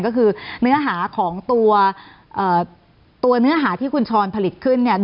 ก็คือเนื้อหาของตัวตัวเนื้อหาที่คุณชอนผลิตขึ้น